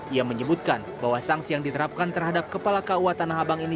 ia menyebutkan bahwa sanksi yang diterapkan terhadap kepala kauatan habang ini